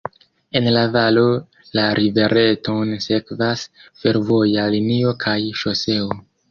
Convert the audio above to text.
En la valo la rivereton sekvas fervoja linio kaj ŝoseo.